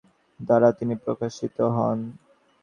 হৃদয়, সংশয়রহিত বুদ্ধি এবং মনন দ্বারা তিনি প্রকাশিত হন।